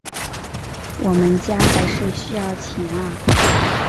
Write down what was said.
我们家还是需要钱啊